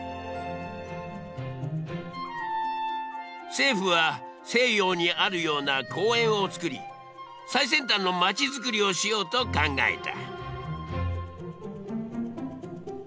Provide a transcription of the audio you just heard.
政府は西洋にあるような「公園」をつくり最先端の街づくりをしようと考えた。